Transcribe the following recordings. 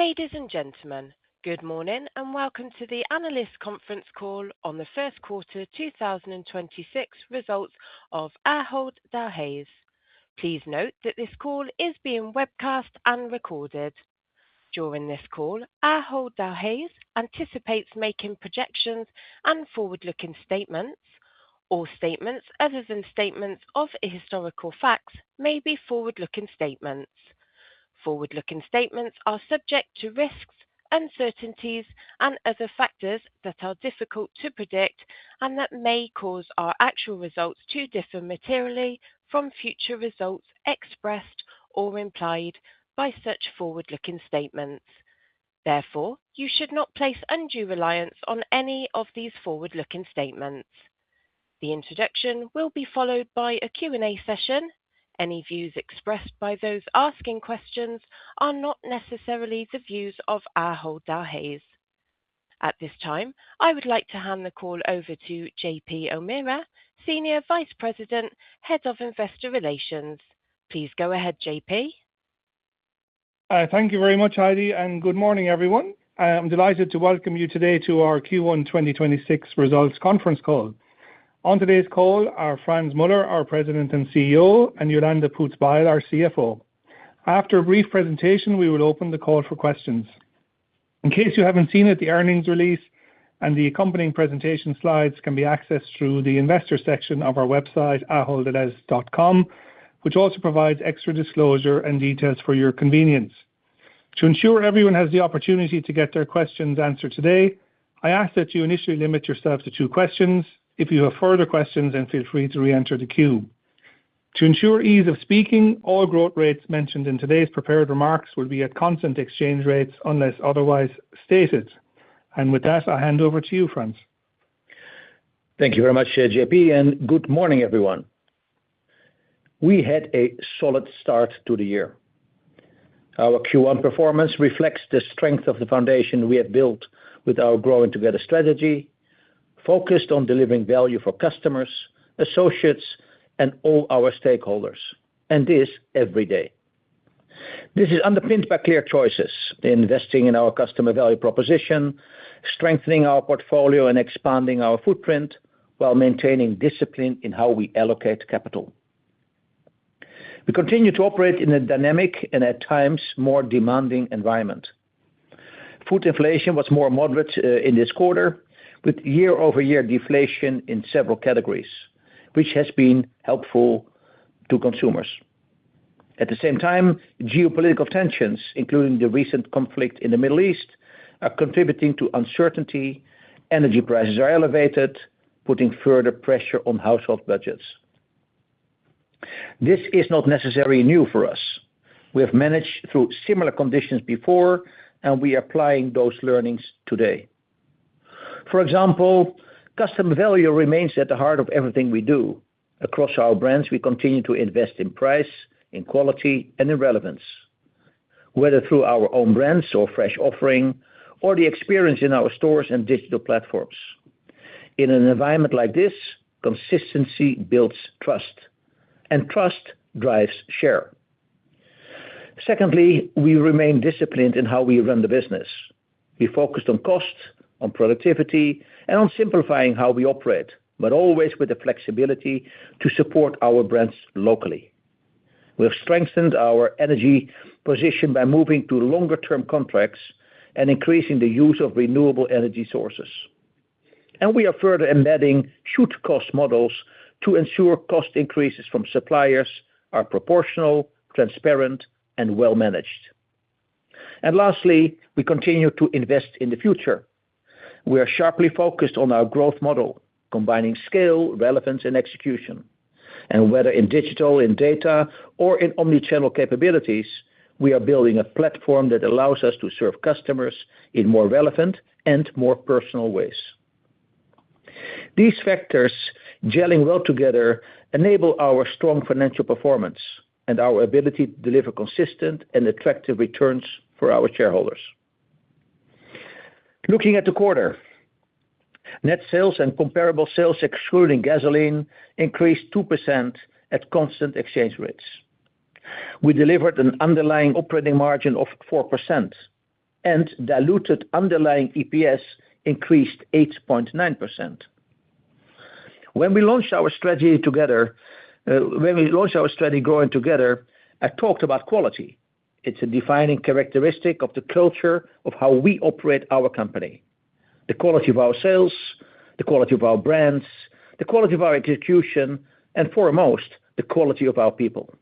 Ladies and gentlemen, good morning and welcome to the analyst conference call on the first quarter 2026 results of Ahold Delhaize. Please note that this call is being webcast and recorded. During this call, Ahold Delhaize anticipates making projections and forward-looking statements. All statements other than statements of historical facts may be forward-looking statements. Forward-looking statements are subject to risks, uncertainties and other factors that are difficult to predict and that may cause our actual results to differ materially from future results expressed or implied by such forward-looking statements. Therefore, you should not place undue reliance on any of these forward-looking statements. The introduction will be followed by a Q&A session. Any views expressed by those asking questions are not necessarily the views of Ahold Delhaize. At this time, I would like to hand the call over to John-Paul O'Meara, Senior Vice President, Head of Investor Relations. Please go ahead, J.P. Thank you very much, Heidi. Good morning, everyone. I am delighted to welcome you today to our Q1 2026 results conference call. On today's call are Frans Muller, our President and Chief Executive Officer, and Jolanda Poots-Bijl, our Chief Financial Officer. After a brief presentation, we will open the call for questions. In case you haven't seen it, the earnings release and the accompanying presentation slides can be accessed through the investor section of our website, aholddelhaize.com, which also provides extra disclosure and details for your convenience. To ensure everyone has the opportunity to get their questions answered today, I ask that you initially limit yourself to two questions. If you have further questions, feel free to reenter the queue. To ensure ease of speaking, all growth rates mentioned in today's prepared remarks will be at constant exchange rates unless otherwise stated. With that, I'll hand over to you, Frans. Thank you very much, J.P., and good morning, everyone. We had a solid start to the year. Our Q1 performance reflects the strength of the foundation we have built with our Growing Together strategy, focused on delivering value for customers, associates, and all our stakeholders, and this every day. This is underpinned by clear choices, investing in our customer value proposition, strengthening our portfolio, and expanding our footprint while maintaining discipline in how we allocate capital. We continue to operate in a dynamic and at times more demanding environment. Food inflation was more moderate in this quarter, with year-over-year deflation in several categories, which has been helpful to consumers. At the same time, geopolitical tensions, including the recent conflict in the Middle East, are contributing to uncertainty. Energy prices are elevated, putting further pressure on household budgets. This is not necessarily new for us. We have managed through similar conditions before, and we are applying those learnings today. For example, customer value remains at the heart of everything we do. Across our brands, we continue to invest in price, in quality, and in relevance, whether through our own brands or fresh offering or the experience in our stores and digital platforms. In an environment like this, consistency builds trust, and trust drives share. Secondly, we remain disciplined in how we run the business. We focused on cost, on productivity, and on simplifying how we operate, but always with the flexibility to support our brands locally. We have strengthened our energy position by moving to longer term contracts and increasing the use of renewable energy sources. We are further embedding should-cost models to ensure cost increases from suppliers are proportional, transparent, and well-managed. Lastly, we continue to invest in the future. We are sharply focused on our growth model, combining scale, relevance, and execution. Whether in digital, in data, or in omni-channel capabilities, we are building a platform that allows us to serve customers in more relevant and more personal ways. These factors gelling well together enable our strong financial performance and our ability to deliver consistent and attractive returns for our shareholders. Looking at the quarter, net sales and comparable sales excluding gasoline increased two percent at constant exchange rates. We delivered an underlying operating margin of four percent and diluted underlying EPS increased eight point nine percent. When we launched our strategy Growing Together, I talked about quality. It's a defining characteristic of the culture of how we operate our company, the quality of our sales, the quality of our brands, the quality of our execution, foremost, the quality of our people.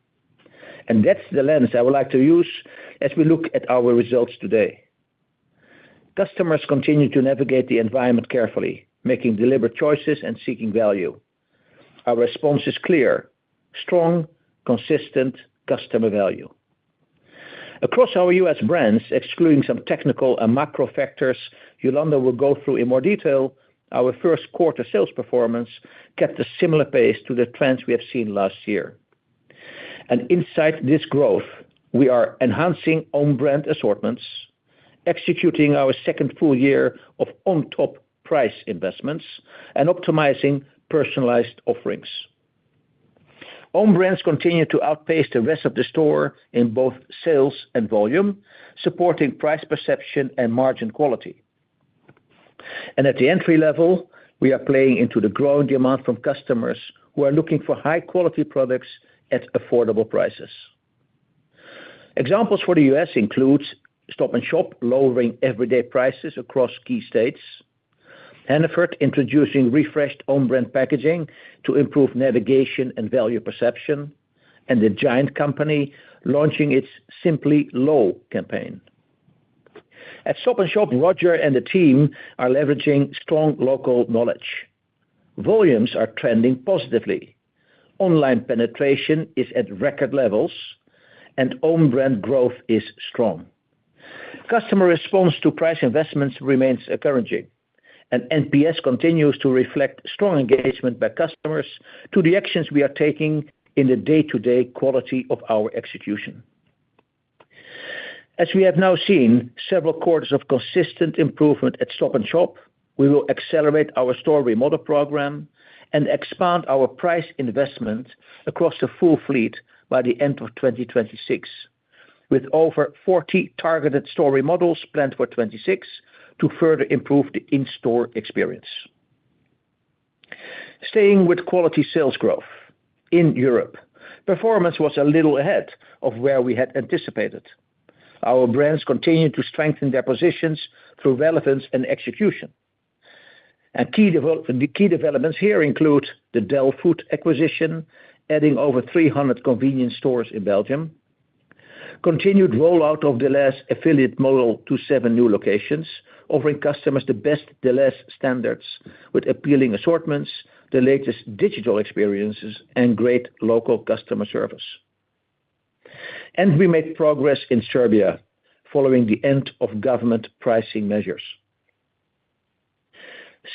That's the lens I would like to use as we look at our results today. Customers continue to navigate the environment carefully, making deliberate choices and seeking value. Our response is clear, strong, consistent customer value. Across our U.S. brands, excluding some technical and macro factors Jolanda will go through in more detail, our first quarter sales performance kept a similar pace to the trends we have seen last year. Inside this growth, we are enhancing own brand assortments, executing our second full year of on-top price investments, and optimizing personalized offerings. Own brands continue to outpace the rest of the store in both sales and volume, supporting price perception and margin quality. At the entry level, we are playing into the growing demand from customers who are looking for high-quality products at affordable prices. Examples for the U.S. includes Stop & Shop lowering everyday prices across key states, Hannaford introducing refreshed own-brand packaging to improve navigation and value perception, and The Giant Company launching its Simply Low campaign. At Stop & Shop, Roger and the team are leveraging strong local knowledge. Volumes are trending positively. Online penetration is at record levels, and own-brand growth is strong. Customer response to price investments remains encouraging, and NPS continues to reflect strong engagement by customers to the actions we are taking in the day-to-day quality of our execution. As we have now seen several quarters of consistent improvement at Stop & Shop, we will accelerate our store remodel program and expand our price investment across the full fleet by the end of 2026, with over 40 targeted store remodels planned for 2026 to further improve the in-store experience. Staying with quality sales growth. In Europe, performance was a little ahead of where we had anticipated. Our brands continued to strengthen their positions through relevance and execution. The key developments here include the Delhaize Food acquisition, adding over 300 convenience stores in Belgium, continued rollout of Delhaize affiliate model to seven new locations, offering customers the best Delhaize standards with appealing assortments, the latest digital experiences, and great local customer service. We made progress in Serbia following the end of government pricing measures.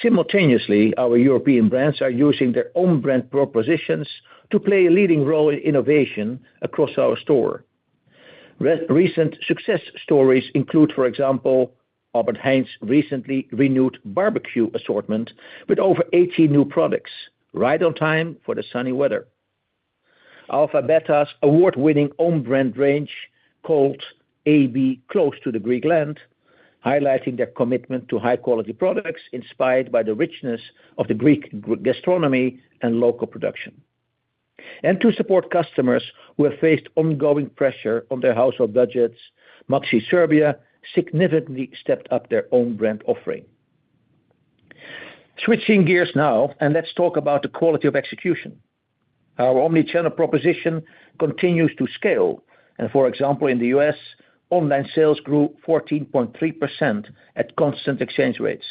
Simultaneously, our European brands are using their own brand propositions to play a leading role in innovation across our store. Recent success stories include, for example, Albert Heijn's recently renewed barbecue assortment with over 80 new products right on time for the sunny weather. Alfa Beta's award-winning own brand range, called AB Close to the Greek Land, highlighting their commitment to high-quality products inspired by the richness of the Greek gastronomy and local production. To support customers who have faced ongoing pressure on their household budgets, Maxi Serbia significantly stepped up their own brand offering. Switching gears now, let's talk about the quality of execution. Our omni-channel proposition continues to scale. For example, in the U.S., online sales grew 14.3% at constant exchange rates,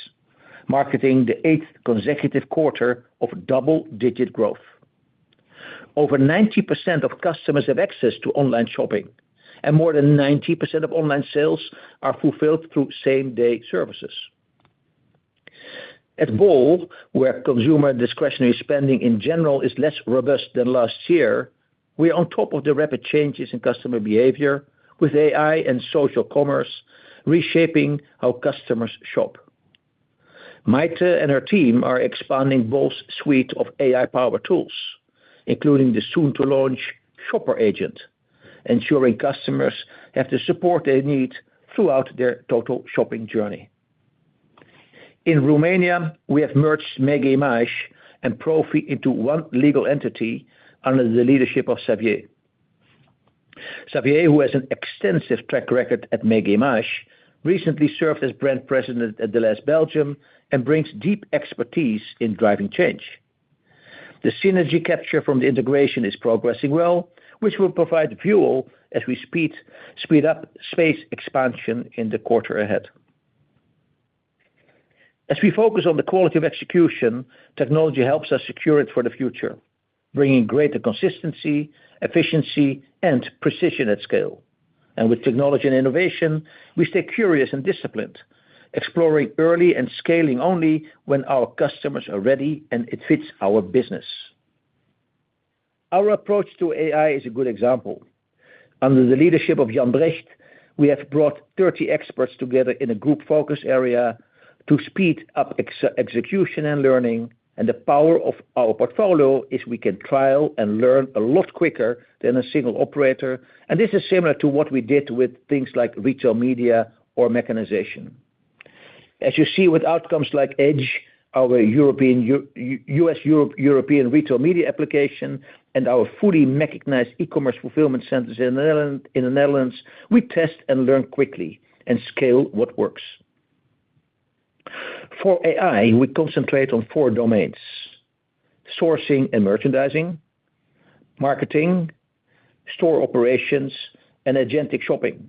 marking the eighth consecutive quarter of double-digit growth. Over 90% of customers have access to online shopping, and more than 90% of online sales are fulfilled through same-day services. At Bol, where consumer discretionary spending, in general, is less robust than last year, we are on top of the rapid changes in customer behavior with AI and social commerce reshaping how customers shop. Maite and her team are expanding Bol's suite of AI-powered tools, including the soon-to-launch Shopper Agent, ensuring customers have the support they need throughout their total shopping journey. In Romania, we have merged Mega Image and Profit into one legal entity under the leadership of Xavier. Xavier, who has an extensive track record at Mega Image, recently served as brand president at Delhaize Belgium and brings deep expertise in driving change. The synergy capture from the integration is progressing well, which will provide fuel as we speed up space expansion in the quarter ahead. As we focus on the quality of execution, technology helps us secure it for the future, bringing greater consistency, efficiency, and precision at scale. With technology and innovation, we stay curious and disciplined, exploring early and scaling only when our customers are ready, and it fits our business. Our approach to AI is a good example. Under the leadership of Jan Brecht, we have brought 30 experts together in a group focus area to speed up execution and learning. The power of our portfolio is we can trial and learn a lot quicker than a single operator, and this is similar to what we did with things like retail media or mechanization. As you see with outcomes like AD Edge, our European retail media application, and our fully mechanized e-commerce fulfillment centers in the Netherlands, we test and learn quickly and scale what works. For AI, we concentrate on four domains: sourcing and merchandising, marketing, store operations, and agentic shopping.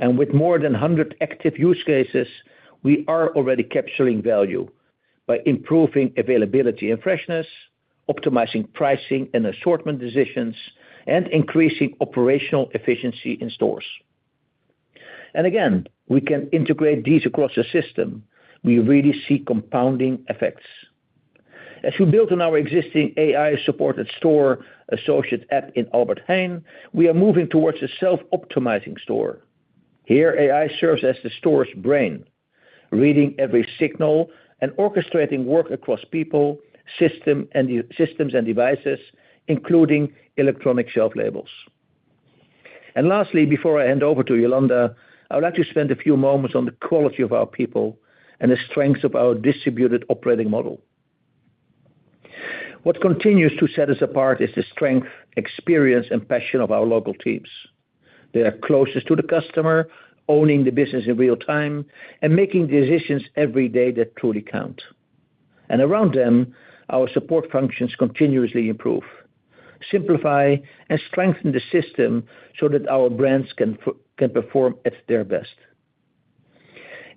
With more than 100 active use cases, we are already capturing value by improving availability and freshness, optimizing pricing and assortment decisions, and increasing operational efficiency in stores. Again, we can integrate these across the system. We really see compounding effects. As we build on our existing AI-supported store associate app in Albert Heijn, we are moving towards a self-optimizing store. Here, AI serves as the store's brain, reading every signal and orchestrating work across people, systems and devices, including electronic shelf labels. Lastly, before I hand over to Jolanda, I would like to spend a few moments on the quality of our people and the strengths of our distributed operating model. What continues to set us apart is the strength, experience, and passion of our local teams. They are closest to the customer, owning the business in real time, and making decisions every day that truly count. Around them, our support functions continuously improve, simplify, and strengthen the system so that our brands can perform at their best.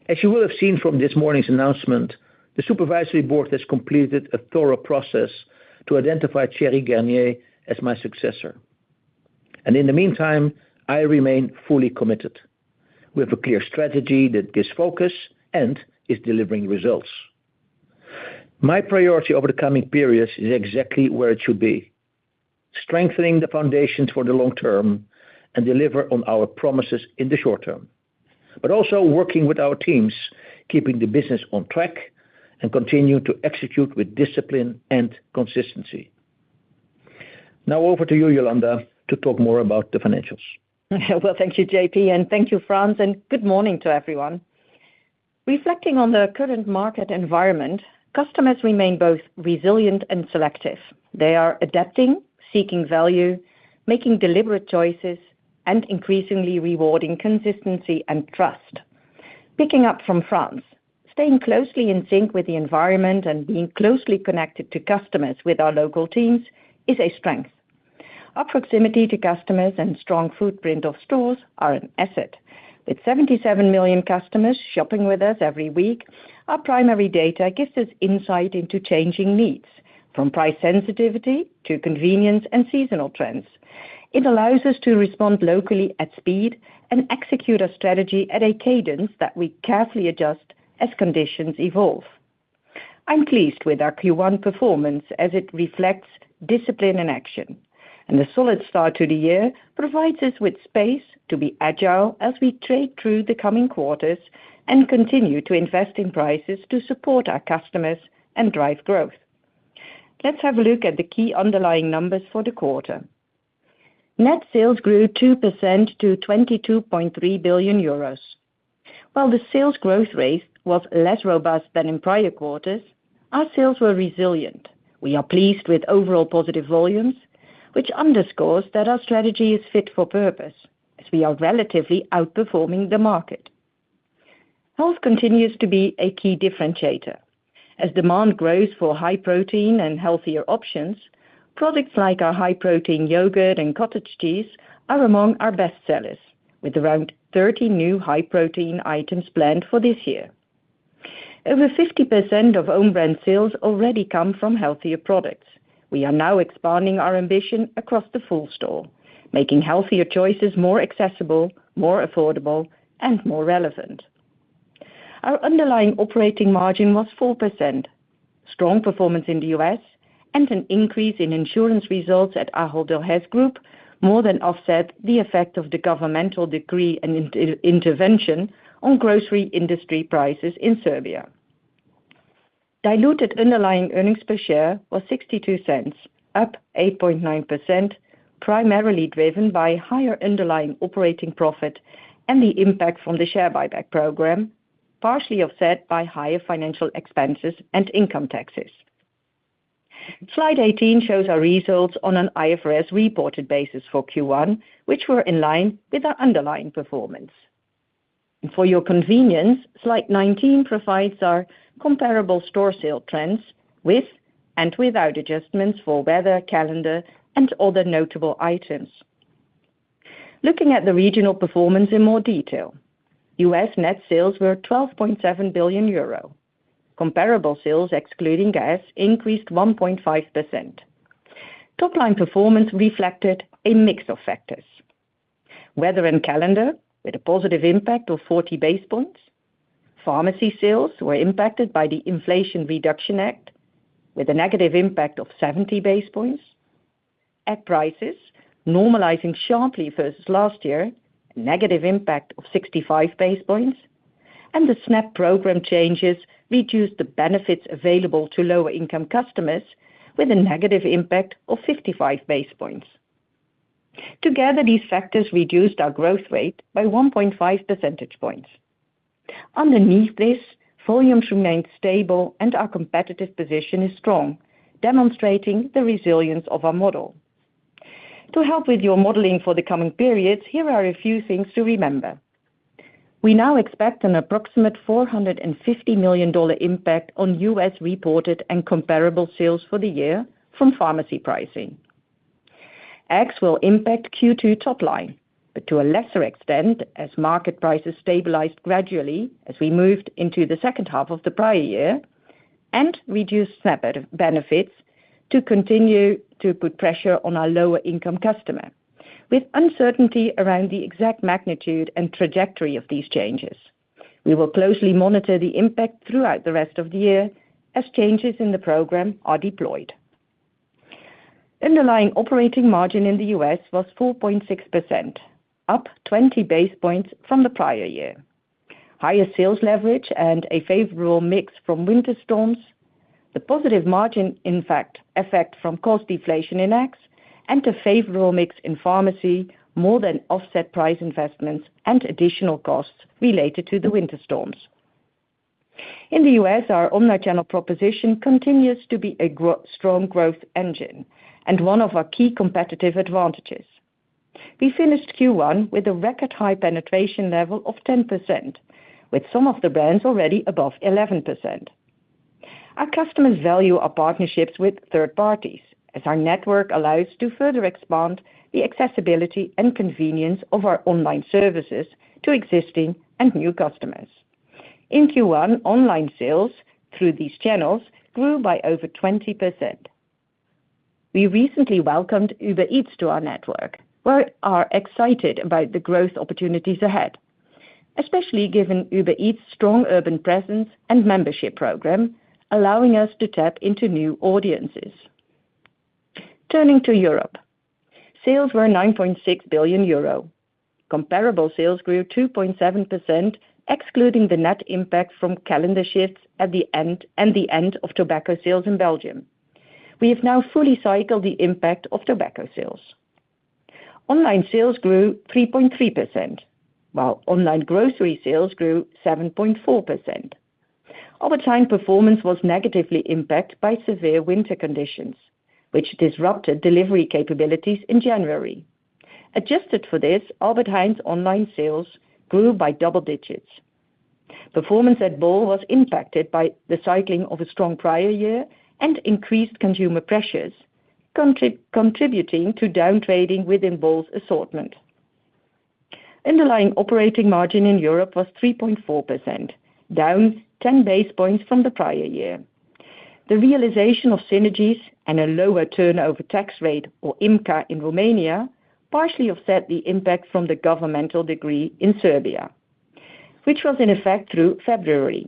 As you will have seen from this morning's announcement, the supervisory board has completed a thorough process to identify Thierry Garnier as my successor. In the meantime, I remain fully committed. We have a clear strategy that gives focus and is delivering results. My priority over the coming periods is exactly where it should be, strengthening the foundations for the long term and deliver on our promises in the short term. Also working with our teams, keeping the business on track, and continuing to execute with discipline and consistency. Now over to you, Jolanda, to talk more about the financials. Well, thank you, JP, and thank you, Frans, and good morning to everyone. Reflecting on the current market environment, customers remain both resilient and selective. They are adapting, seeking value, making deliberate choices, and increasingly rewarding consistency and trust. Picking up from Frans, staying closely in sync with the environment and being closely connected to customers with our local teams is a strength. Our proximity to customers and strong footprint of stores are an asset. With 77 million customers shopping with us every week, our primary data gives us insight into changing needs, from price sensitivity to convenience and seasonal trends. It allows us to respond locally at speed and execute our strategy at a cadence that we carefully adjust as conditions evolve. I'm pleased with our Q1 performance as it reflects discipline and action. The solid start to the year provides us with space to be agile as we trade through the coming quarters and continue to invest in prices to support our customers and drive growth. Let's have a look at the key underlying numbers for the quarter. Net sales grew two percent to 22.3 billion euros. While the sales growth rate was less robust than in prior quarters, our sales were resilient. We are pleased with overall positive volumes, which underscores that our strategy is fit for purpose, as we are relatively outperforming the market. Health continues to be a key differentiator. As demand grows for high protein and healthier options, products like our high-protein yogurt and cottage cheese are among our best sellers, with around 30 new high-protein items planned for this year. Over 50% of own brand sales already come from healthier products. We are now expanding our ambition across the full store, making healthier choices more accessible, more affordable, and more relevant. Our underlying operating margin was four percent. Strong performance in the U.S. and an increase in insurance results at Ahold Delhaize more than offset the effect of the governmental decree and inter-intervention on grocery industry prices in Serbia. Diluted underlying earnings per share was 0.62, up eight point nine percent, primarily driven by higher underlying operating profit and the impact from the share buyback program, partially offset by higher financial expenses and income taxes. Slide 18 shows our results on an IFRS-reported basis for Q1, which were in line with our underlying performance. For your convenience, slide 19 provides our comparable store sale trends with and without adjustments for weather, calendar, and other notable items. Looking at the regional performance in more detail, U.S. net sales were 12.7 billion euro. Comparable sales excluding gas increased one point five percent. Top line performance reflected a mix of factors. Weather and calendar, with a positive impact of 40 basis points. Pharmacy sales were impacted by the Inflation Reduction Act with a negative impact of 70 basis points. Egg prices, normalizing sharply versus last year, negative impact of 65 basis points. The SNAP program changes reduced the benefits available to lower-income customers with a negative impact of 55 basis points. Together, these factors reduced our growth rate by one point five percentage points. Underneath this, volumes remained stable and our competitive position is strong, demonstrating the resilience of our model. To help with your modeling for the coming periods, here are a few things to remember. We now expect an approximate $450 million impact on U.S. reported and comparable sales for the year from pharmacy pricing. Eggs will impact Q2 top line, but to a lesser extent as market prices stabilized gradually as we moved into the second half of the prior year and reduced SNAP benefits to continue to put pressure on our lower-income customer. With uncertainty around the exact magnitude and trajectory of these changes, we will closely monitor the impact throughout the rest of the year as changes in the program are deployed. Underlying operating margin in the U.S. was four point six percent, up 20 basis points from the prior year. Higher sales leverage and a favorable mix from winter storms, the positive margin, in fact, effect from cost deflation in Rx and a favorable mix in pharmacy more than offset price investments and additional costs related to the winter storms. In the U.S., our omni-channel proposition continues to be a strong growth engine and one of our key competitive advantages. We finished Q1 with a record high penetration level of 10%, with some of the brands already above 11%. Our customers value our partnerships with third parties as our network allows to further expand the accessibility and convenience of our online services to existing and new customers. In Q1, online sales through these channels grew by over 20%. We recently welcomed Uber Eats to our network. We are excited about the growth opportunities ahead, especially given Uber Eats strong urban presence and membership program, allowing us to tap into new audiences. Turning to Europe, sales were 9.6 billion euro. Comparable sales grew two point seven percent, excluding the net impact from calendar shifts at the end, and the end of tobacco sales in Belgium. We have now fully cycled the impact of tobacco sales. Online sales grew three point three percent, while online grocery sales grew seven point four percent. Albert Heijn performance was negatively impacted by severe winter conditions, which disrupted delivery capabilities in January. Adjusted for this, Albert Heijn's online sales grew by double digits. Performance at bol was impacted by the cycling of a strong prior year and increased consumer pressures, contributing to down trading within bol's assortment. Underlying operating margin in Europe was three point four percent, down 10 basis points from the prior year. The realization of synergies and a lower turnover tax rate, or IMCA in Romania, partially offset the impact from the governmental decree in Serbia, which was in effect through February.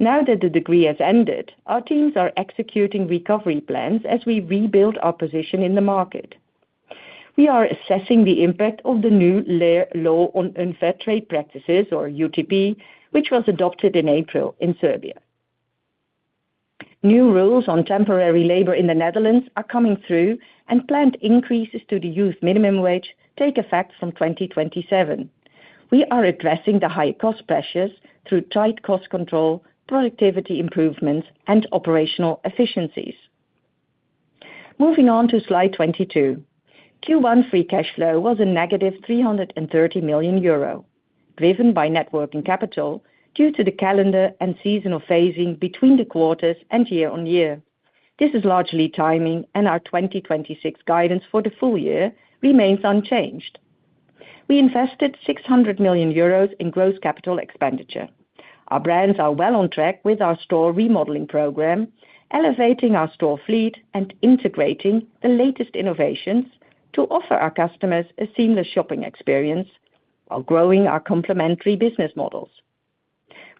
Now that the decree has ended, our teams are executing recovery plans as we rebuild our position in the market. We are assessing the impact of the new law on unfair trade practices, or UTP, which was adopted in April in Serbia. New rules on temporary labor in the Netherlands are coming through, and planned increases to the youth minimum wage take effect from 2027. We are addressing the high cost pressures through tight cost control, productivity improvements, and operational efficiencies. Moving on to slide 22. Q1 free cash flow was a negative 330 million euro, driven by net working capital due to the calendar and seasonal phasing between the quarters and year-on-year. This is largely timing. Our 2026 guidance for the full year remains unchanged. We invested 600 million euros in gross capital expenditure. Our brands are well on track with our store remodeling program, elevating our store fleet and integrating the latest innovations to offer our customers a seamless shopping experience while growing our complementary business models.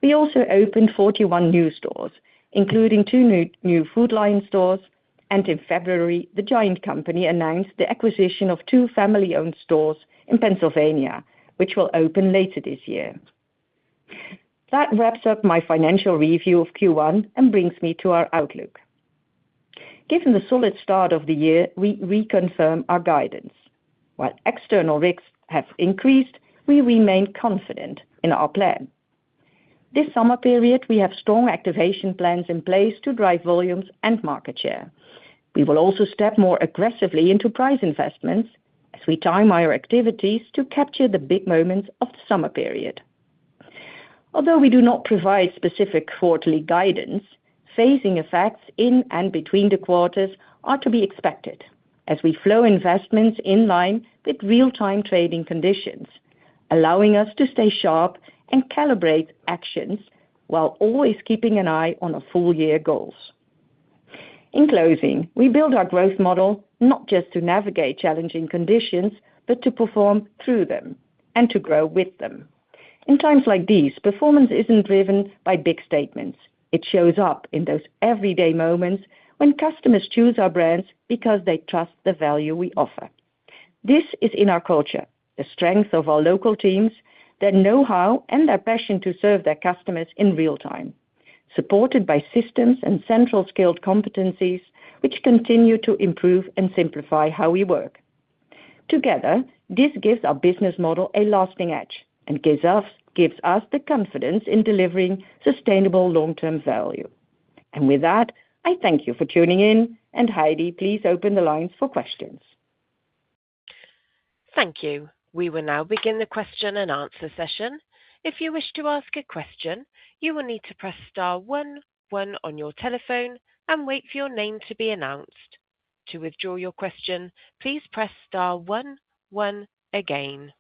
We also opened 41 new stores, including two new Food Lion stores, and in February, The Giant Company announced the acquisition of two family-owned stores in Pennsylvania, which will open later this year. That wraps up my financial review of Q1 and brings me to our outlook. Given the solid start of the year, we reconfirm our guidance. While external risks have increased, we remain confident in our plan. This summer period, we have strong activation plans in place to drive volumes and market share. We will also step more aggressively into price investments as we time our activities to capture the big moments of the summer period. Although we do not provide specific quarterly guidance, phasing effects in and between the quarters are to be expected as we flow investments in line with real-time trading conditions, allowing us to stay sharp and calibrate actions while always keeping an eye on our full-year goals. In closing, we build our growth model not just to navigate challenging conditions, but to perform through them and to grow with them. In times like these, performance isn't driven by big statements. It shows up in those everyday moments when customers choose our brands because they trust the value we offer. This is in our culture, the strength of our local teams, their know-how, and their passion to serve their customers in real time, supported by systems and central skilled competencies, which continue to improve and simplify how we work. Together, this gives our business model a lasting edge and gives us the confidence in delivering sustainable long-term value. With that, I thank you for tuning in, and Heidi, please open the lines for questions. Thank you. We will now begin the question and answer session. If you wish to ask a question, you will need to press star 11 on your telephone and wait for your name to be announced. To withdraw your question, please press star 11 again.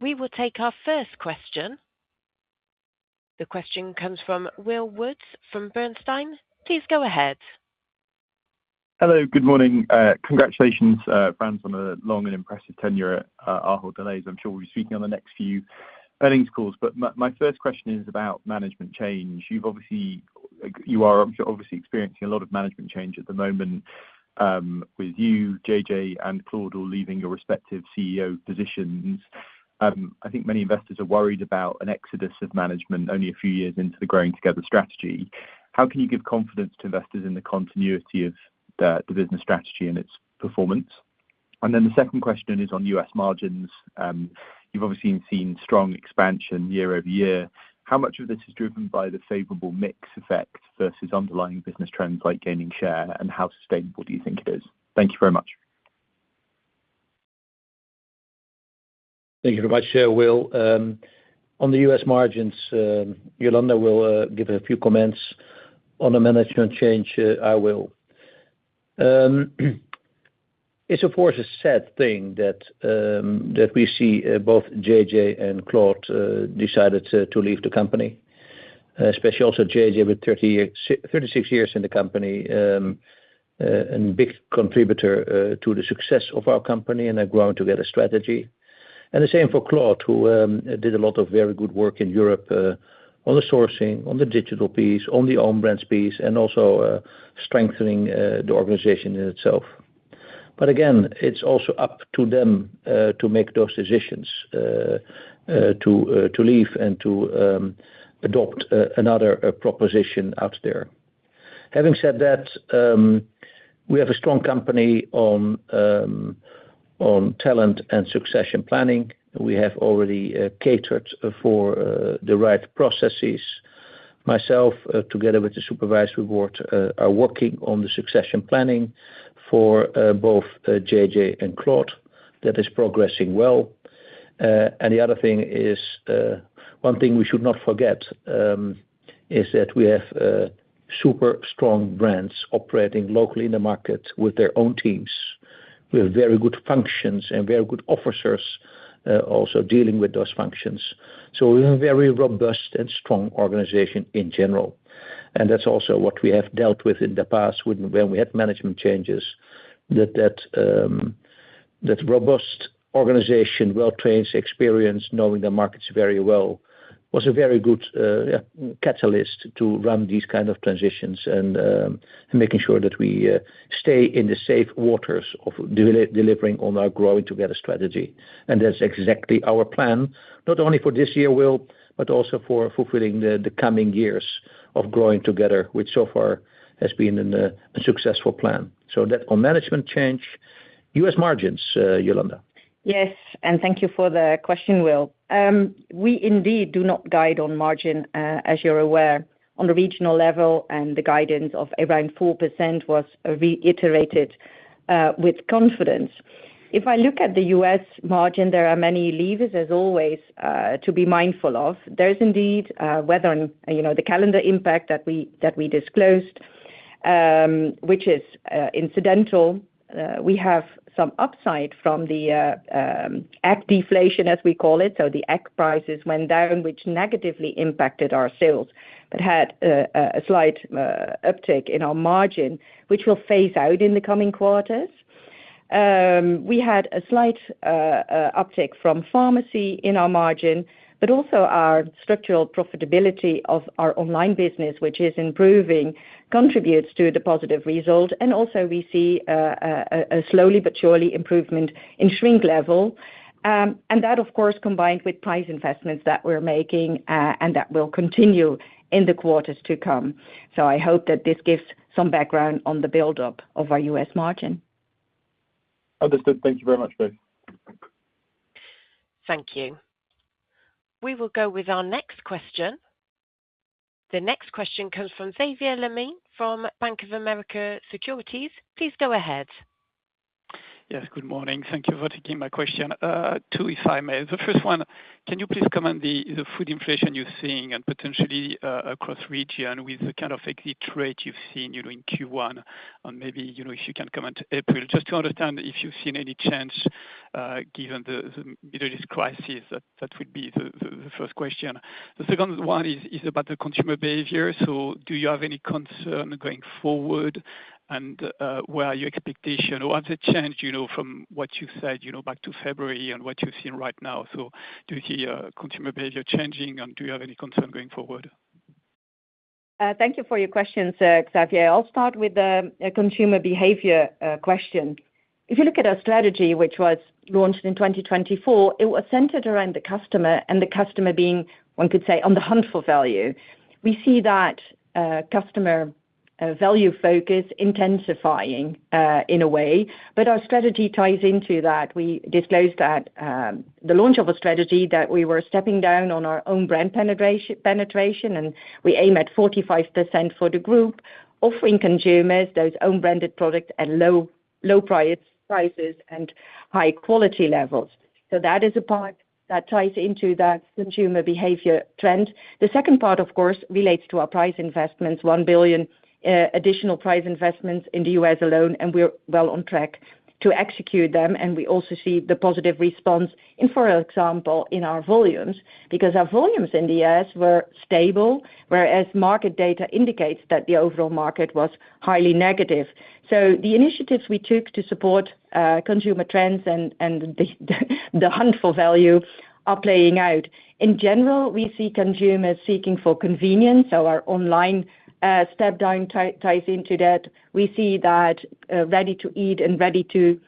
We will take our first question. The question comes from William Woods from Bernstein. Please go ahead. Hello, good morning. Congratulations, Frans, on a long and impressive tenure at Ahold Delhaize. I'm sure we'll be speaking on the next few earnings calls. My first question is about management change. You are obviously experiencing a lot of management change at the moment, with you, JJ, and Claude all leaving your respective CEO positions. I think many investors are worried about an exodus of management only a few years into the Growing Together strategy. How can you give confidence to investors in the continuity of the business strategy and its performance? Then the second question is on U.S. margins. You've obviously seen strong expansion year over year. How much of this is driven by the favorable mix effect versus underlying business trends like gaining share? How sustainable do you think it is? Thank you very much. Thank you very much, Will. On the U.S. margins, Jolanda will give a few comments. On the management change, I will. It's of course a sad thing that we see both JJ and Claude decided to leave the company, especially also JJ with 30 years, 36 years in the company, and big contributor to the success of our company and the Growing Together strategy. The same for Claude, who did a lot of very good work in Europe, on the sourcing, on the digital piece, on the own brands piece, and also strengthening the organization in itself. Again, it's also up to them to make those decisions to leave and to adopt another proposition out there. Having said that, we have a strong company on talent and succession planning. We have already catered for the right processes. Myself, together with the Supervisory Board, are working on the succession planning for both JJ and Claude. That is progressing well. The other thing is, one thing we should not forget, is that we have super strong brands operating locally in the market with their own teams, with very good functions and very good officers, also dealing with those functions. We have a very robust and strong organization in general, and that's also what we have dealt with in the past when we had management changes. That robust organization, well-trained, experienced, knowing the markets very well, was a very good catalyst to run these kind of transitions and making sure that we stay in the safe waters of delivering on our Growing Together strategy. That's exactly our plan, not only for this year, Will, but also for fulfilling the coming years of growing together, which so far has been a successful plan. That on management change. U.S. margins, Jolanda. Yes, thank you for the question, Will. We indeed do not guide on margin, as you're aware on the regional level, and the guidance of around four percent was reiterated with confidence. If I look at the U.S. margin, there are many levers, as always, to be mindful of. There is indeed weather and, you know, the calendar impact that we disclosed, which is incidental. We have some upside from the egg deflation, as we call it. The egg prices went down, which negatively impacted our sales, but had a slight uptick in our margin, which will phase out in the coming quarters. We had a slight uptick from pharmacy in our margin, but also our structural profitability of our online business, which is improving, contributes to the positive result. Also we see a slowly but surely improvement in shrink level. That, of course, combined with price investments that we're making, that will continue in the quarters to come. I hope that this gives some background on the buildup of our U.S. margin. Understood. Thank you very much. Bye. Thank you. We will go with our next question. The next question comes from Xavier Le Mené from Bank of America Securities. Please go ahead. Yes, good morning. Thank you for taking my question. Two, if I may. The first one, can you please comment the food inflation you're seeing and potentially across region with the kind of exit rate you've seen, you know, in Q1 and maybe, you know, if you can comment April, just to understand if you've seen any change given the Middle East crisis. That would be the first question. The second one is about the consumer behavior. Do you have any concern going forward and where are your expectations? Has it changed, you know, from what you said, you know, back to February and what you're seeing right now? Do you see consumer behavior changing, and do you have any concern going forward? Thank you for your questions, Xavier. I'll start with the consumer behavior question. If you look at our strategy, which was launched in 2024, it was centered around the customer and the customer being, one could say, on the hunt for value. We see that customer value focus intensifying in a way, our strategy ties into that. We disclosed that the launch of a strategy that we were stepping down on our own brand penetration, we aim at 45% for the group, offering consumers those own branded products at low, low prices and high quality levels. That is a part that ties into that consumer behavior trend. The second part, of course, relates to our price investments, 1 billion additional price investments in the U.S. alone, we're well on track to execute them. We also see the positive response in, for example, our volumes, because our volumes in the U.S. were stable, whereas market data indicates that the overall market was highly negative. The initiatives we took to support consumer trends and the hunt for value are playing out. In general, we see consumers seeking for convenience, so our online ties into that. We see that ready-to-eat and ready to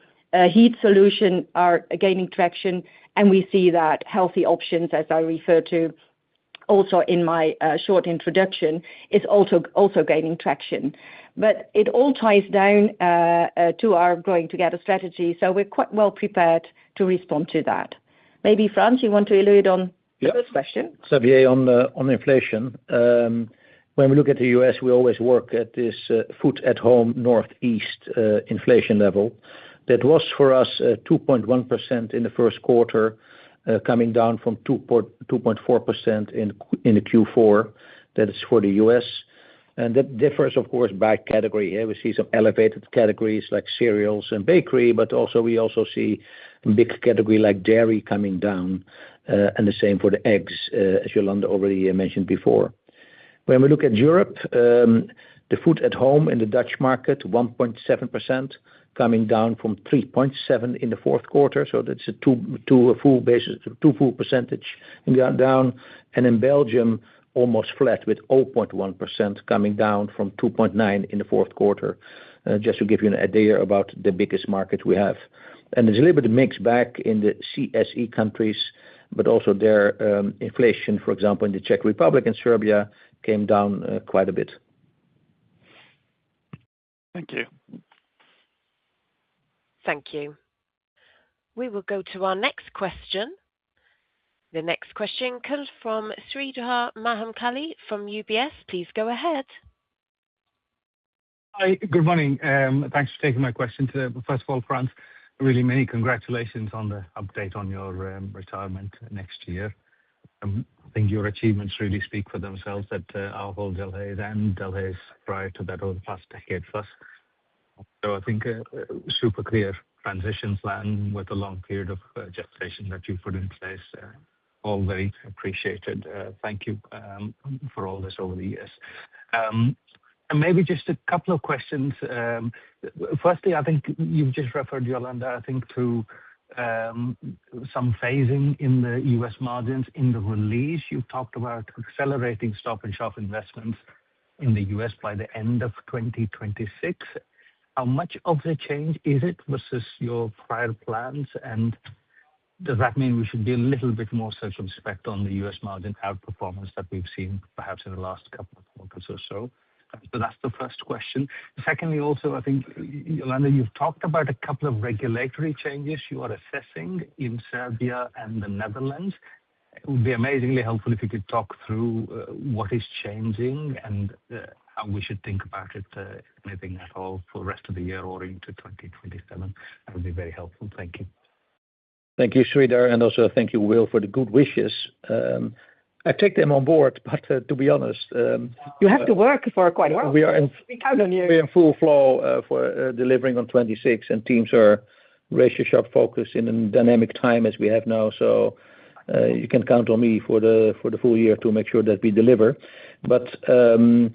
heat solution are gaining traction, and we see that healthy options, as I referred to also in my short introduction, is also gaining traction. It all ties down to our Growing Together strategy, so we are quite well prepared to respond to that. Maybe Frans, you want to elaborate. This question? Xavier, on the, on inflation, when we look at the U.S., we always work at this food at home northeast inflation level. That was for us two point one percent in the first quarter, coming down from two point four percent in the Q4. That is for the U.S., that differs of course by category. Here we see some elevated categories like cereals and bakery, but we also see big category like dairy coming down. The same for the eggs, as Jolanda already mentioned before. When we look at Europe, the food at home in the Dutch market, one point seven percent coming down from three point seven percent in the fourth quarter, that's a two full percentage down. In Belgium, almost flat with zero point one percent coming down from two point nine percent in the fourth quarter. Just to give you an idea about the biggest market we have. There's a little bit of mix back in the CSE countries, but also their inflation, for example, in the Czech Republic and Serbia came down quite a bit. Thank you. Thank you. We will go to our next question. The next question comes from Sreedhar Mahamkali from UBS. Please go ahead. Hi. Good morning. Thanks for taking my question today. First of all, Frans, really many congratulations on the update on your retirement next year. I think your achievements really speak for themselves at Ahold Delhaize and Delhaize prior to that over the past decade plus. I think a super clear transition plan with a long period of gestation that you've put in place. All very appreciated. Thank you for all this over the years. Maybe just a couple of questions. Firstly, I think you've just referred, Jolanda, I think to some phasing in the U.S. margins. In the release, you talked about accelerating Stop & Shop investments in the U.S. by the end of 2026. How much of the change is it versus your prior plans? Does that mean we should be a little bit more so respect on the U.S. margin outperformance that we've seen perhaps in the last couple of quarters or so? That's the first question. Secondly, Jolanda, you've talked about a couple of regulatory changes you are assessing in Serbia and the Netherlands. It would be amazingly helpful if you could talk through what is changing and how we should think about it, if anything at all, for the rest of the year or into 2027. That would be very helpful. Thank you. Thank you, Sreedhar, and also thank you, Will, for the good wishes. I take them on board, but, to be honest. You have to work for quite a while. We are in We count on you. We are in full flow for delivering on 26, Teams are razor-sharp focus in a dynamic time as we have now. You can count on me for the, for the full year to make sure that we deliver. On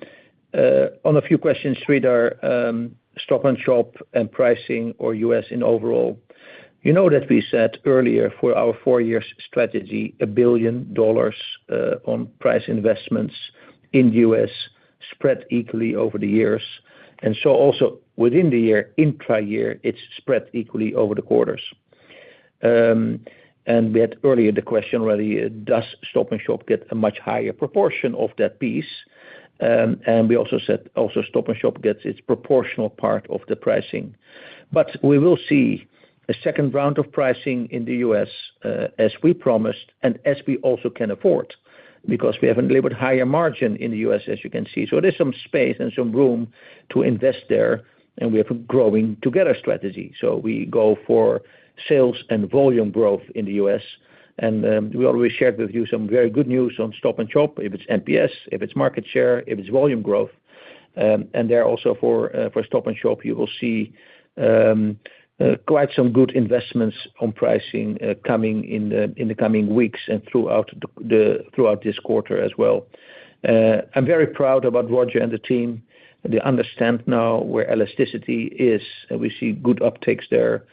a few questions, Sreedhar, Stop & Shop and pricing or U.S. in overall, you know that we said earlier for our four years strategy, $1 billion on price investments in the U.S. spread equally over the years. Also within the year, intra-year, it's spread equally over the quarters. We had earlier the question already, does Stop & Shop get a much higher proportion of that piece? We also said also Stop & Shop gets its proportional part of the pricing. We will see a second round of pricing in the U.S. as we promised and as we also can afford, because we have a little bit higher margin in the U.S., as you can see. There's some space and some room to invest there, and we have a Growing Together strategy. We go for sales and volume growth in the U.S. We already shared with you some very good news on Stop & Shop, if it's NPS, if it's market share, if it's volume growth. There also for Stop & Shop, you will see quite some good investments on pricing coming in the coming weeks and throughout this quarter as well. I'm very proud about Roger and the team. They understand now where elasticity is, and we see good upticks there.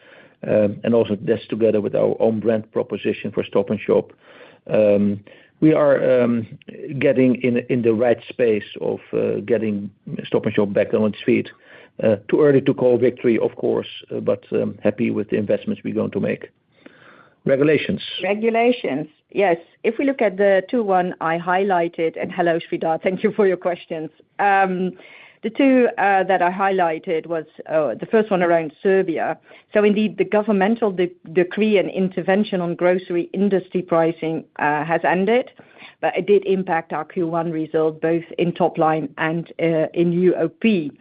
Also this together with our own brand proposition for Stop & Shop. We are getting in the right space of getting Stop & Shop back on its feet. Too early to call victory, of course, but happy with the investments we're going to make. Regulations. Regulations, yes. If we look at the two, one I highlighted, Hello, Sreedhar, thank you for your questions. The two that I highlighted was the first one around Serbia. Indeed, the governmental decree and intervention on grocery industry pricing has ended, but it did impact our Q1 results, both in top line and in UOP.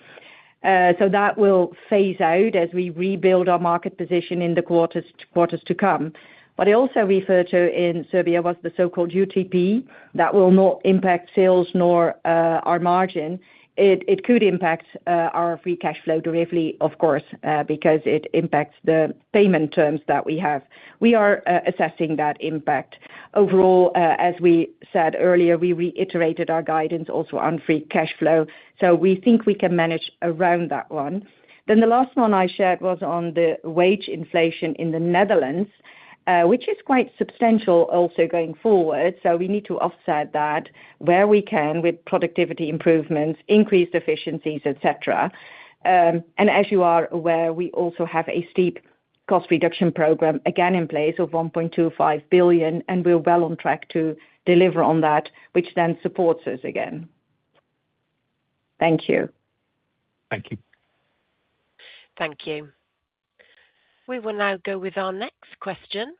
That will phase out as we rebuild our market position in the quarters to come. What I also referred to in Serbia was the so-called UTP that will not impact sales nor our margin. It could impact our free cash flow directly, of course, because it impacts the payment terms that we have. We are assessing that impact. Overall, as we said earlier, we reiterated our guidance also on free cash flow, so we think we can manage around that one. The last one I shared was on the wage inflation in the Netherlands, which is quite substantial also going forward. We need to offset that where we can with productivity improvements, increased efficiencies, etc. As you are aware, we also have a steep cost reduction program, again, in place of 1.25 billion, and we're well on track to deliver on that, which then supports us again. Thank you. Thank you. Thank you. We will now go with our next question.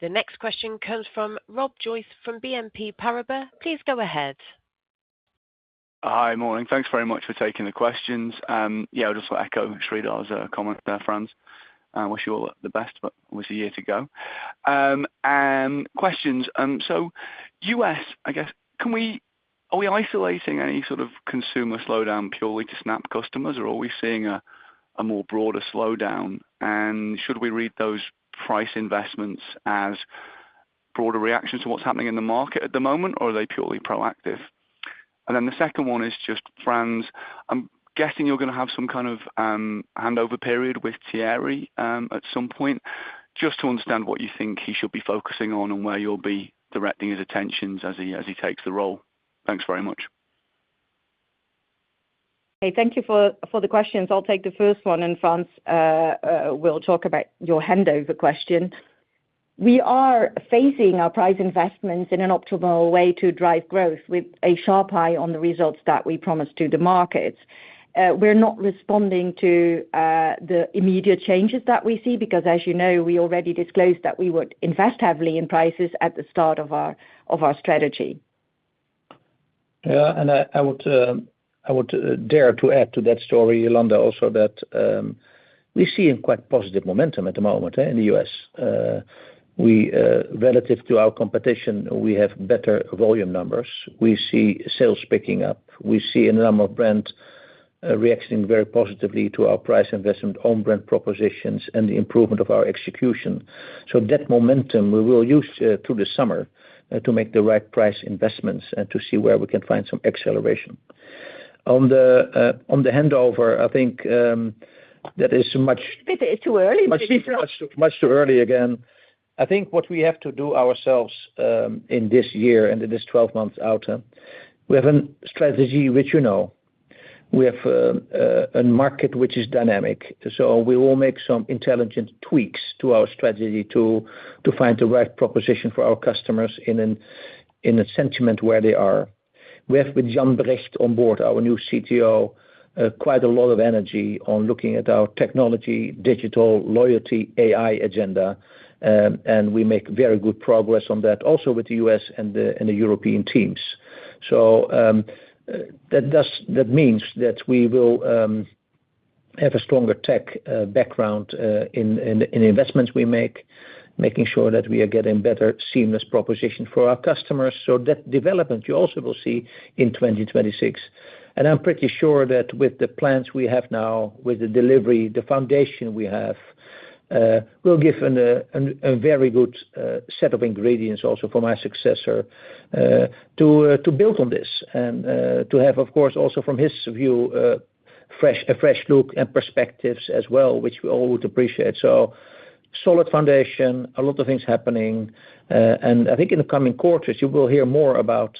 The next question comes from Rob Joyce from BNP Paribas. Please go ahead. Hi. Morning. Thanks very much for taking the questions. Yeah, I'll just echo Sreedhar's comment there, Frans. I wish you all the best, but it was a year to go. Questions. U.S., I guess, are we isolating any sort of consumer slowdown purely to SNAP customers, or are we seeing a more broader slowdown? Should we read those price investments as broader reactions to what's happening in the market at the moment, or are they purely proactive? The second one is just, Frans, I'm guessing you're gonna have some kind of handover period with Thierry at some point. Just to understand what you think he should be focusing on and where you'll be directing his attentions as he takes the role. Thanks very much. Okay. Thank you for the questions. I'll take the first one, and Frans will talk about your handover question. We are phasing our price investments in an optimal way to drive growth with a sharp eye on the results that we promise to the markets. We're not responding to the immediate changes that we see because, as you know, we already disclosed that we would invest heavily in prices at the start of our strategy. Yeah. I would, I would dare to add to that story, Jolanda, also that, we're seeing quite positive momentum at the moment, in the U.S. We, relative to our competition, we have better volume numbers. We see sales picking up. We see a number of brands, reacting very positively to our price investment on brand propositions and the improvement of our execution. That momentum we will use, through the summer, to make the right price investments and to see where we can find some acceleration. On the, on the handover, I think, that is much- It is too early. Much, much too early again. I think what we have to do ourselves, in this year and in this 12 months out, we have a strategy which you know. We have a market which is dynamic. We will make some intelligent tweaks to our strategy to find the right proposition for our customers in a sentiment where they are. We have with Jan Brecht on board, our new CTO, quite a lot of energy on looking at our technology, digital, loyalty, AI agenda, and we make very good progress on that also with the U.S. and the European teams. That means that we will have a stronger tech background in the investments we make, making sure that we are getting better seamless proposition for our customers. That development you also will see in 2026. I'm pretty sure that with the plans we have now, with the delivery, the foundation we have, will give a very good set of ingredients also for my successor to build on this and to have, of course, also from his view, a fresh look and perspectives as well, which we all would appreciate. Solid foundation, a lot of things happening. I think in the coming quarters, you will hear more about,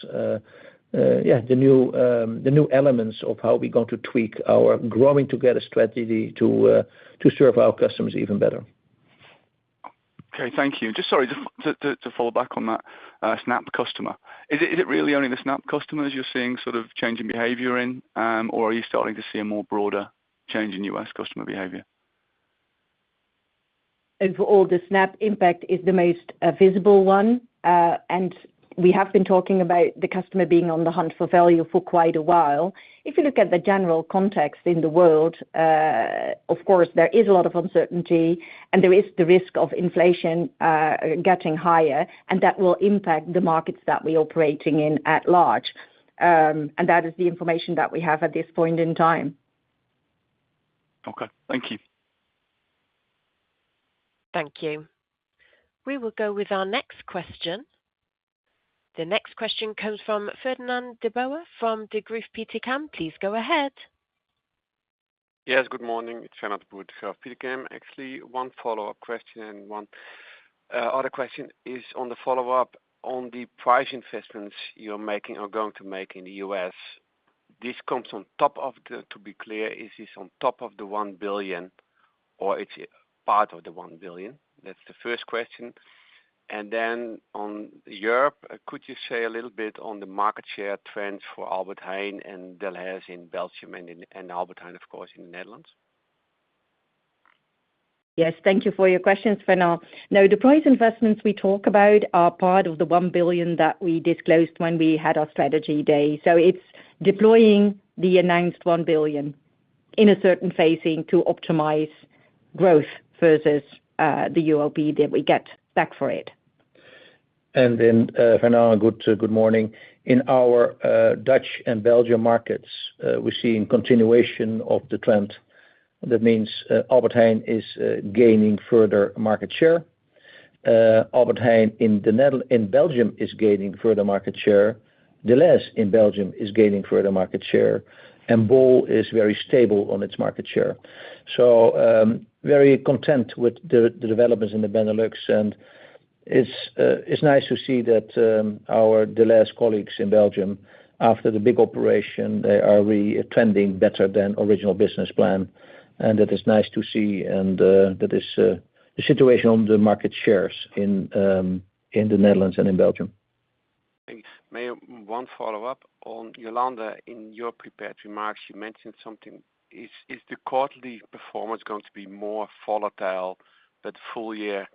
the new elements of how we're going to tweak our Growing Together strategy to serve our customers even better. Okay. Thank you. Just to follow back on that SNAP customer. Is it really only the SNAP customers you're seeing sort of changing behavior in, or are you starting to see a more broader change in U.S. customer behavior? Overall, the SNAP impact is the most visible one. We have been talking about the customer being on the hunt for value for quite a while. If you look at the general context in the world, of course, there is a lot of uncertainty, and there is the risk of inflation getting higher, and that will impact the markets that we operating in at large. That is the information that we have at this point in time. Okay. Thank you. Thank you. We will go with our next question. The next question comes from Fernand de Boer from Degroof Petercam. Please go ahead. Yes, good morning. It's Fernand de Boer, Degroof Petercam. Actually, one follow-up question and one other question is on the follow-up on the price investments you're making or going to make in the U.S. This comes on top of, to be clear, is this on top of the $1 billion or it's part of the $1 billion? That's the first question. On Europe, could you say a little bit on the market share trends for Albert Heijn and Delhaize in Belgium and Albert Heijn, of course, in the Netherlands? Yes. Thank you for your questions, Fernand de Boer. No, the price investments we talk about are part of the 1 billion that we disclosed when we had our strategy day. It's deploying the announced 1 billion in a certain phasing to optimize growth versus the UOP that we get back for it. Then, Fernand, good morning. In our Dutch and Belgian markets, we're seeing continuation of the trend. That means Albert Heijn is gaining further market share. Albert Heijn in Belgium is gaining further market share. Delhaize in Belgium is gaining further market share, and Bol is very stable on its market share. Very content with the developments in the Benelux. It's nice to see that the last colleagues in Belgium, after the big operation, they are really trending better than original business plan. It is nice to see. That is the situation on the market shares in the Netherlands and in Belgium. Thanks. May I one follow-up on Jolanda Poots-Bijl. In your prepared remarks, you mentioned something. Is the quarterly performance going to be more volatile, but full year performance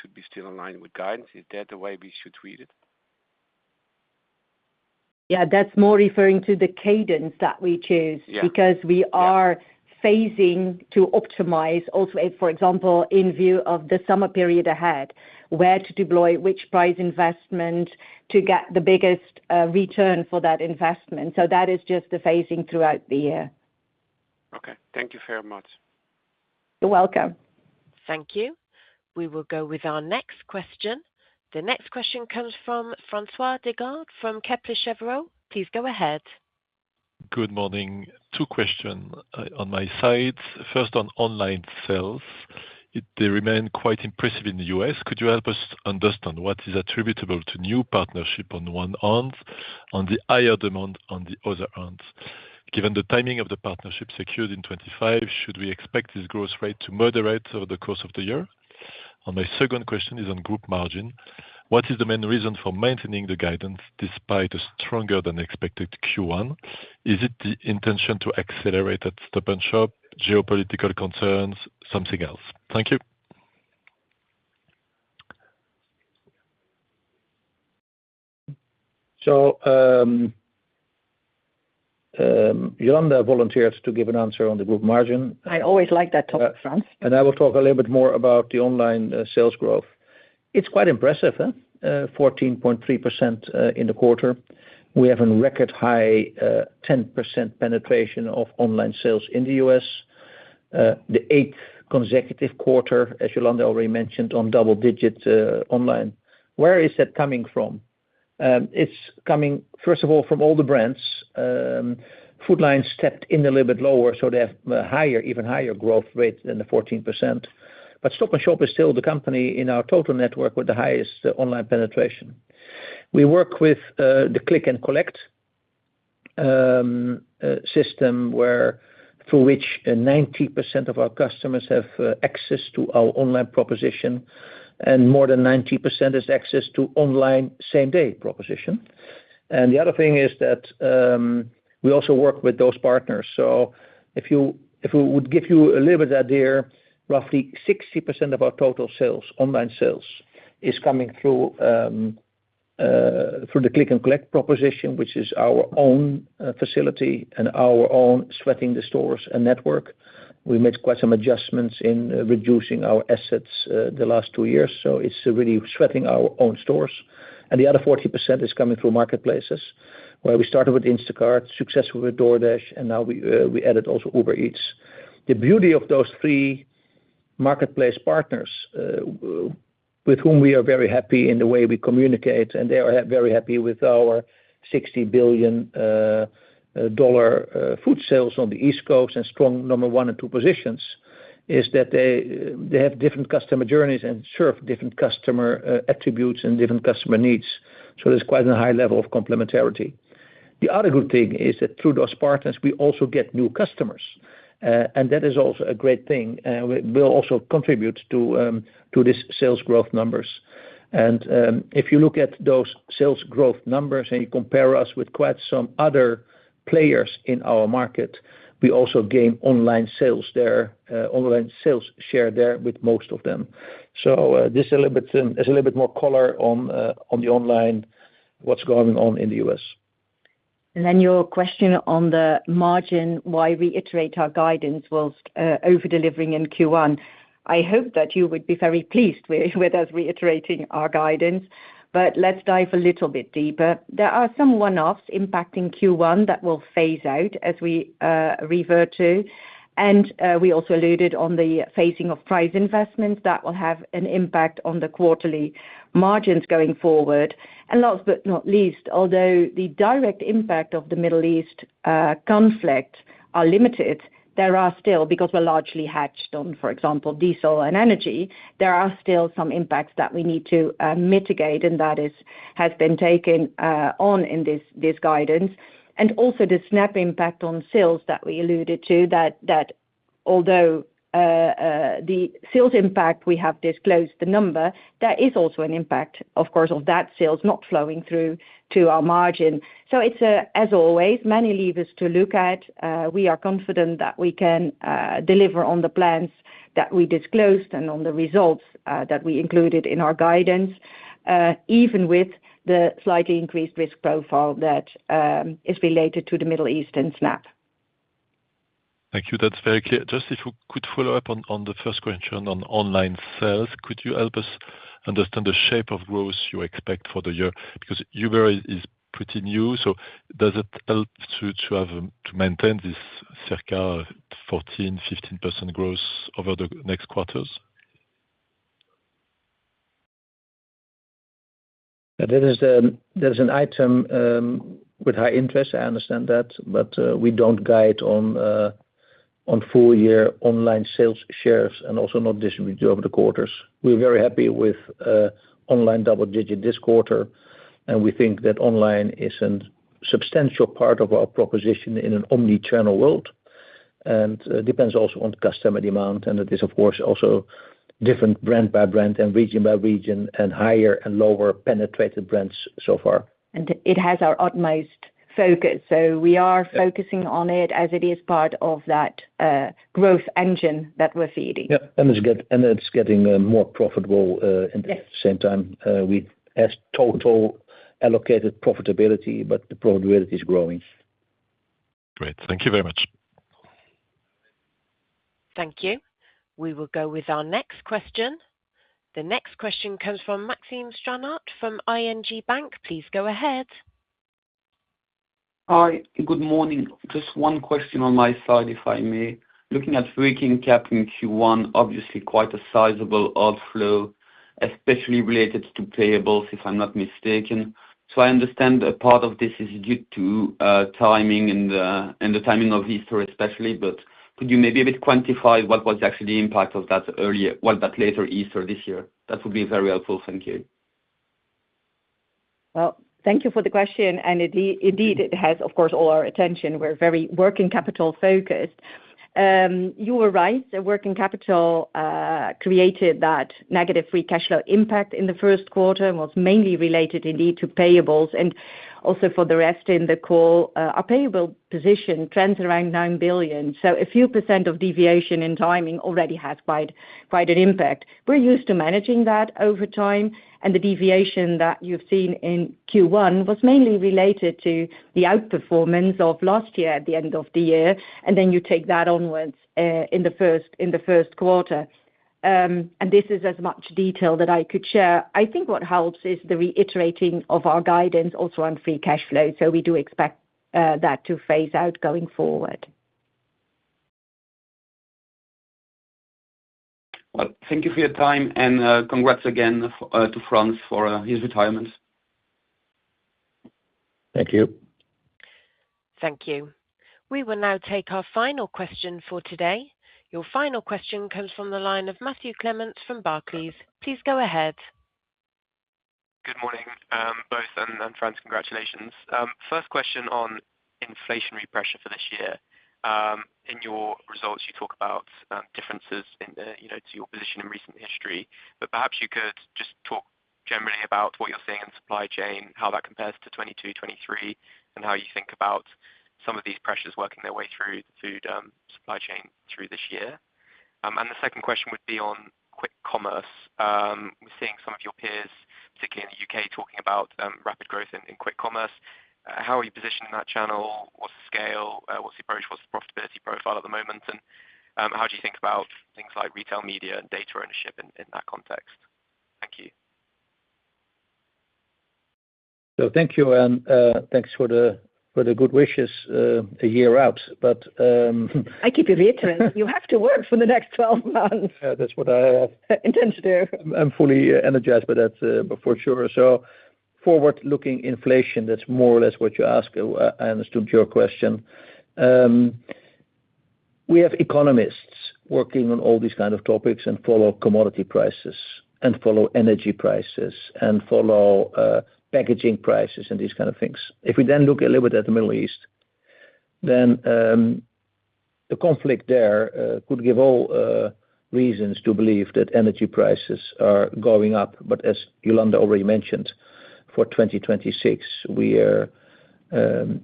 should be still in line with guidance? Is that the way we should read it? Yeah. That's more referring to the cadence that we choose. Because we are phasing to optimize also, for example, in view of the summer period ahead, where to deploy which price investment to get the biggest return for that investment. That is just the phasing throughout the year. Okay. Thank you very much. You're welcome. Thank you. We will go with our next question. The next question comes from François Digard from Kepler Cheuvreux. Please go ahead. Good morning. Two question on my side. First, on online sales, they remain quite impressive in the U.S. Could you help us understand what is attributable to new partnership on one hand, on the higher demand on the other hand? Given the timing of the partnership secured in 2025, should we expect this growth rate to moderate over the course of the year? My second question is on group margin. What is the main reason for maintaining the guidance despite a stronger than expected Q1? Is it the intention to accelerate that Stop & Shop, geopolitical concerns, something else? Thank you. Jolanda volunteered to give an answer on the group margin. I always like that topic, Frans. I will talk a little bit more about the online sales growth. It's quite impressive, huh? 14.3% in the quarter. We have a record high 10% penetration of online sales in the U.S. The eighth consecutive quarter, as Jolanda already mentioned, on double digits online. Where is that coming from? It's coming, first of all, from all the brands, Food Lion stepped in a little bit lower, so they have higher, even higher growth rate than the 14%. Stop & Shop is still the company in our total network with the highest online penetration. We work with the click and collect system where through which 90% of our customers have access to our online proposition, and more than 90% has access to online same-day proposition. The other thing is that we also work with those partners. If we would give you a little bit idea, roughly 60% of our total sales, online sales, is coming through the click and collect proposition, which is our own facility and our own sweating the stores and network. We made quite some adjustments in reducing our assets the last two years, so it's really sweating our own stores. The other 40% is coming through marketplaces, where we started with Instacart, successfully with DoorDash, and now we added also Uber Eats. The beauty of those three marketplace partners, with whom we are very happy in the way we communicate, and they are very happy with our EUR 60 billion food sales on the East Coast and strong number one and two positions, is that they have different customer journeys and serve different customer attributes and different customer needs. There's quite a high level of complementarity. The other good thing is that through those partners, we also get new customers, and that is also a great thing, will also contribute to this sales growth numbers. If you look at those sales growth numbers and you compare us with quite some other players in our market, we also gain online sales there, online sales share there with most of them. This a little bit is a little bit more color on the online, what's going on in the U.S. Then your question on the margin, why reiterate our guidance whilst over-delivering in Q1. I hope that you would be very pleased with us reiterating our guidance, but let's dive a little bit deeper. There are some one-offs impacting Q1 that will phase out as we revert to. We also alluded on the phasing of price investments that will have an impact on the quarterly margins going forward. Last but not least, although the direct impact of the Middle East conflict are limited, there are still, because we're largely hedged on, for example, diesel and energy, there are still some impacts that we need to mitigate, and that is, has been taken on in this guidance. Also the SNAP impact on sales that we alluded to, that although the sales impact, we have disclosed the number, there is also an impact, of course, of that sales not flowing through to our margin. It's as always, many levers to look at. We are confident that we can deliver on the plans that we disclosed and on the results that we included in our guidance, even with the slightly increased risk profile that is related to the Middle East and SNAP. Thank you. That's very clear. Just if you could follow up on the first question on online sales. Could you help us understand the shape of growth you expect for the year? Because Uber Eats is pretty new, so does it help to have to maintain this circa 14%, 15% growth over the next quarters? That is an item with high interest, I understand that, but we don't guide on full year online sales shares and also not distribute over the quarters. We're very happy with online double-digit this quarter, and we think that online is a substantial part of our proposition in an omni-channel world. It depends also on customer demand, and it is, of course, also different brand by brand and region by region and higher and lower penetrated brands so far. It has our utmost focus. We are focusing on it as it is part of that growth engine that we're feeding. Yeah. It's getting more profitable at the same time with as total allocated profitability, but the profitability is growing. Great. Thank you very much. Thank you. We will go with our next question. The next question comes from Maxime Stranart from ING Bank. Please go ahead. Hi. Good morning. Just one question on my side, if I may. Looking at working capital in Q1, obviously quite a sizable outflow, especially related to payables, if I'm not mistaken. I understand a part of this is due to timing and the timing of Easter especially, but could you maybe a bit quantify what was actually the impact of that later Easter this year? That would be very helpful. Thank you. Well, thank you for the question. Indeed, it has, of course, all our attention. We're very working capital focused. You are right. The working capital created that negative free cash flow impact in the first quarter and was mainly related indeed to payables and also for the rest in the call. Our payable position trends around 9 billion. A few percent of deviation in timing already has quite an impact. We're used to managing that over time, and the deviation that you've seen in Q1 was mainly related to the outperformance of last year at the end of the year, and then you take that onwards in the first quarter. This is as much detail that I could share. I think what helps is the reiterating of our guidance also on free cash flow. We do expect that to phase out going forward. Well, thank you for your time, and congrats again to Frans for his retirement. Thank you. Thank you. We will now take our final question for today. Your final question comes from the line of Matthew Clements from Barclays. Please go ahead. Good morning, both, and Frans, congratulations. First question on inflationary pressure for this year. In your results, you talk about differences in the, you know, to your position in recent history, but perhaps you could just talk generally about what you're seeing in supply chain, how that compares to 2022, 2023, and how you think about some of these pressures working their way through the food supply chain through this year. The second question would be on quick commerce. We're seeing some of your peers, particularly in the U.K., talking about rapid growth in quick commerce. How are you positioned in that channel? What's the scale? What's the approach? What's the profitability profile at the moment? How do you think about things like retail media and data ownership in that context? Thank you. Thank you, and thanks for the good wishes, a year out. I keep reiterating, you have to work for the next twelve months. Yeah, that's what I have. Intend to do. I'm fully energized by that, for sure. Forward-looking inflation, that's more or less what you ask. I understood your question. We have economists working on all these kind of topics and follow commodity prices and follow energy prices and follow packaging prices and these kind of things. If we then look a little bit at the Middle East, then, the conflict there, could give all reasons to believe that energy prices are going up. As Jolanda already mentioned, for 2026, we are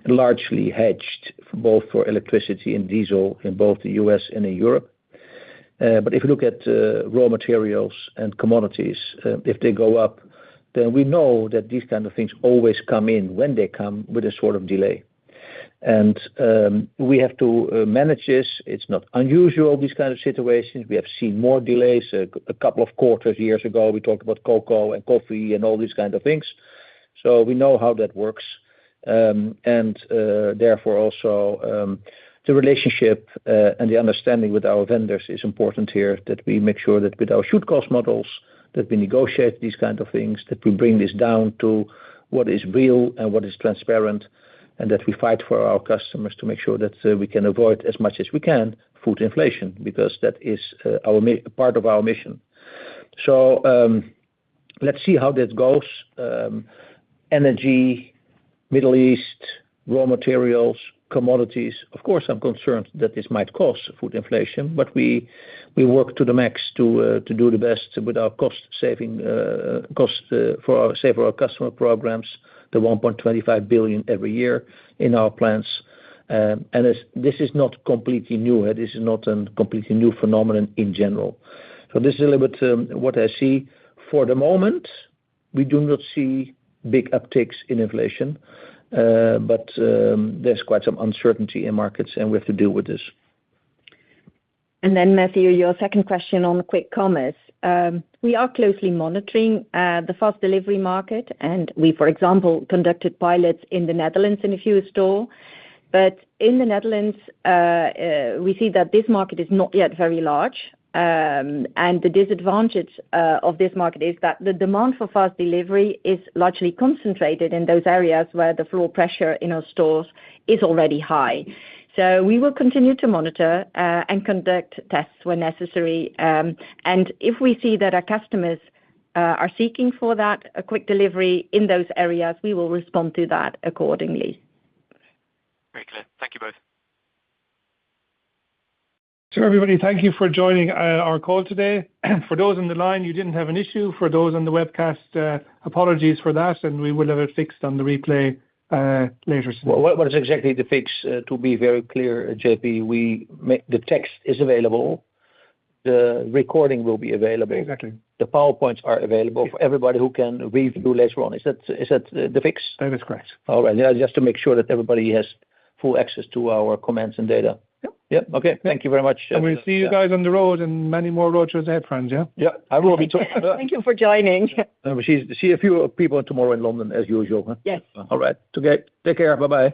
largely hedged both for electricity and diesel in both the U.S. and in Europe. If you look at raw materials and commodities, if they go up, then we know that these kind of things always come in when they come with a sort of delay. We have to manage this. It's not unusual, these kind of situations. We have seen more delays. A couple of quarters years ago, we talked about cocoa and coffee and all these kind of things. We know how that works. Therefore also, the relationship and the understanding with our vendors is important here, that we make sure that with our should-cost models, that we negotiate these kind of things, that we bring this down to what is real and what is transparent, and that we fight for our customers to make sure that we can avoid as much as we can food inflation, because that is part of our mission. Let's see how this goes. Energy, Middle East, raw materials, commodities, of course, I'm concerned that this might cause food inflation, but we work to the max to do the best with our cost saving, cost for our save our customer programs, the 1.25 billion every year in our plans. This is not completely new. This is not a completely new phenomenon in general. This is a little bit what I see. For the moment, we do not see big upticks in inflation, but there's quite some uncertainty in markets, and we have to deal with this. Matthew, your second question on quick commerce. We are closely monitoring the fast delivery market, and we, for example, conducted pilots in the Netherlands in a few stores. In the Netherlands, we see that this market is not yet very large. The disadvantage of this market is that the demand for fast delivery is largely concentrated in those areas where the floor pressure in our stores is already high. We will continue to monitor and conduct tests when necessary. If we see that our customers are seeking for that, a quick delivery in those areas, we will respond to that accordingly. Very clear. Thank you both. Everybody, thank you for joining our call today. For those on the line, you didn't have an issue. For those on the webcast, apologies for that, we will have it fixed on the replay later today. Well, what is exactly the fix, to be very clear, JP? The text is available. The recording will be available. Exactly. The PowerPoints are available for everybody who can review later on. Is that the fix? That is correct. All right. Just to make sure that everybody has full access to our comments and data. Yep. Yep. Okay. Thank you very much. We'll see you guys on the road and many more road shows ahead, Frans, yeah? Yeah. I will be too. Thank you for joining. We see a few people tomorrow in London as usual. Yes. All right. Take care. Bye-bye.